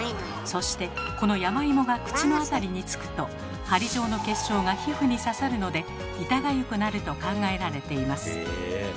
そしてこの山芋が口のあたりにつくと針状の結晶が皮膚に刺さるので痛がゆくなると考えられています。